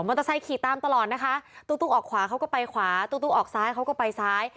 เตอร์ไซค์ขี่ตามตลอดนะคะตุ๊กออกขวาเขาก็ไปขวาตุ๊กออกซ้ายเขาก็ไปซ้าย